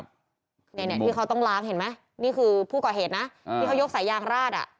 เนี่ยที่เขาต้องล้างเห็นไหมนี่คือผู้ก่อเหตุนะที่เขายกสายยางราดอ่ะ